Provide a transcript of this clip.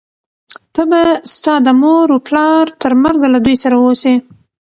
ته به ستا د مور و پلار تر مرګه له دوی سره اوسې،